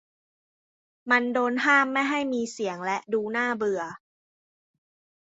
มันโดนห้ามไม่ให้มีเสียงและดูน่าเบื่อ